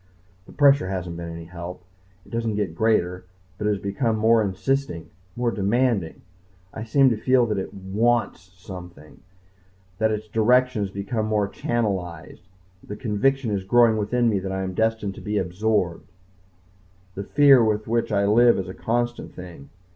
The pressure hasn't been any help. It doesn't get greater, but it has become more insisting more demanding. I seem to feel that it wants something, that its direction has become more channelized. The conviction is growing within me that I am destined to be absorbed. The fear with which I live is a constant thing.